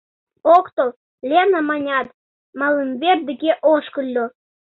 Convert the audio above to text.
Ок тол, — Лена манят, малымвер деке ошкыльо.